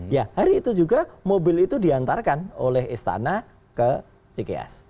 ya hari itu juga mobil itu diantarkan oleh istana ke cks